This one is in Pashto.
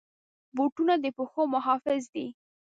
بوټونه د پښو محافظ دي.